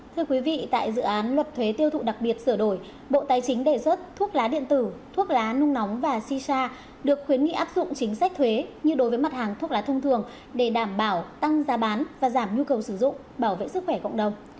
thưa quý vị tại dự án luật thuế tiêu thụ đặc biệt sửa đổi bộ tài chính đề xuất thuốc lá điện tử thuốc lá nung nóng và shisha được khuyến nghị áp dụng chính sách thuế như đối với mặt hàng thuốc lá thông thường để đảm bảo tăng giá bán và giảm nhu cầu sử dụng bảo vệ sức khỏe cộng đồng